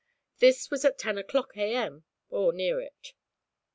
This was at ten o'clock a.m., or near it.